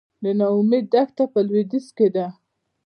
د نا امید دښته په لویدیځ کې ده